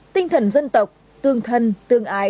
tinh thần dân tộc tương thân tương ái